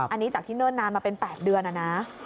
อันนี้จากที่เนิ่นนานมาเป็น๘เดือนนะ